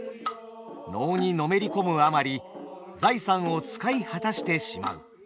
能にのめり込むあまり財産を使い果たしてしまう。